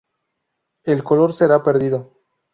El color será perdido.